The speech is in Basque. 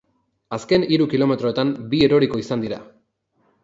Azken hiru kilometroetan, bi eroriko izan dira.